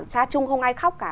cha chung không ai khóc cả